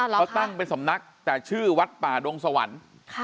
เขาตั้งเป็นสำนักแต่ชื่อวัดป่าดงสวรรค์